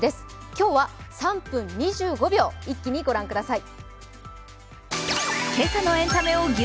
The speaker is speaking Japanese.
今日は３分２５秒、一気にご覧ください。